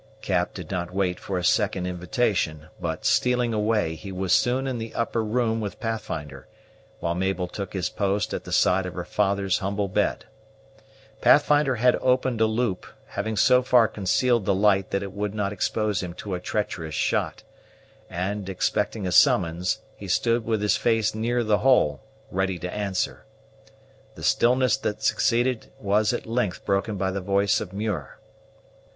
Cap did not wait for a second invitation; but, stealing away, he was soon in the upper room with Pathfinder, while Mabel took his post at the side of her father's humble bed. Pathfinder had opened a loop, having so far concealed the light that it would not expose him to a treacherous shot; and, expecting a summons, he stood with his face near the hole, ready to answer. The stillness that succeeded was at length broken by the voice of Muir.